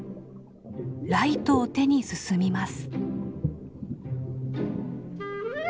ライトを手に進みます。